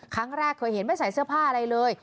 ครั้งแรกเคยเห็นไม่ใส่เสื้อผ้าอะไรเลย